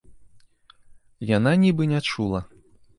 Яна нібы не чула.